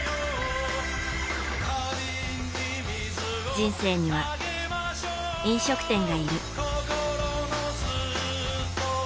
人生には、飲食店がいる。